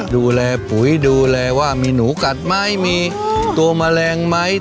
ดูแลปุ๋ยดูแลว่ามีหนูกัดไหมมีตัวแมลงไหม